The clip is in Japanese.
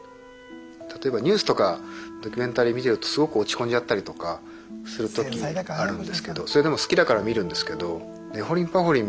例えばニュースとかドキュメンタリー見てるとすごく落ち込んじゃったりとかするときあるんですけどそれでも好きだから見るんですけど「ねほりんぱほりん」